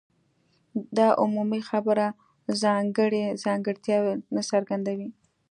دا عمومي خبره ځانګړي ځانګړتیاوې نه څرګندوي.